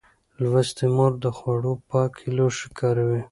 لوستې مور د خوړو پاک لوښي کاروي.